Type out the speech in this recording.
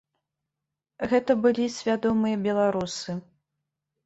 Гэта былі свядомыя беларусы.